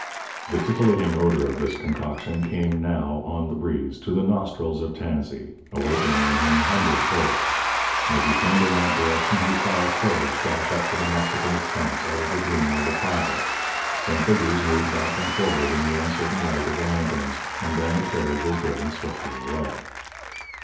The titillating odour of this concoction came now, on the breeze, to the nostrils of Tansey, awakening in him hunger for it. As he turned in that direction he saw a carriage dash up to the Mexicans' tents out of the gloom of the Plaza. Some figures moved back and forward in the uncertain light of the lanterns, and then the carriage was driven swiftly away.